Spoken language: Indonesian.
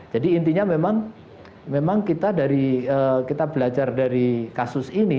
jadi intinya memang kita belajar dari kasus ini